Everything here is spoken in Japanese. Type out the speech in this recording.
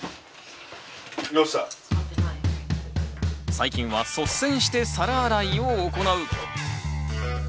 最近は率先して皿洗いを行う。